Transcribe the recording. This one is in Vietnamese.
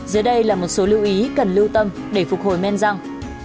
dưới đây là một số lưu ý cần lưu tâm để phục hồi men răng